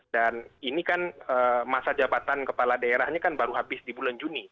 ini kan masa jabatan kepala daerahnya kan baru habis di bulan juni